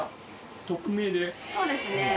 そうですね。